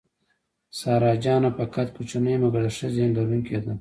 سارا جانه په قد کوچنۍ مګر د ښه ذهن لرونکې ده.